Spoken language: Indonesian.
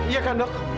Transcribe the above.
iya kan dok